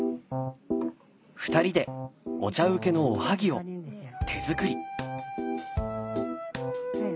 ２人でお茶うけのおはぎを手づくり。